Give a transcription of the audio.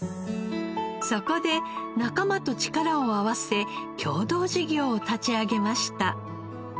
そこで仲間と力を合わせ共同事業を立ち上げました。